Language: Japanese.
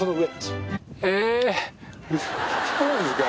そうなんですか？